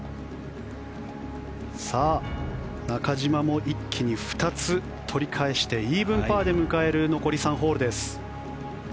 中島も一気に２つ取り返してイーブンパーで迎える残り３ホール。